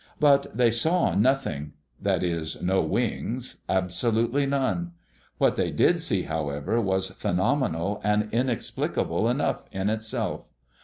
But they saw nothing; that is, no wings, absolutely none. What they did see, however, was phenomenal and inexplicable enough in itself.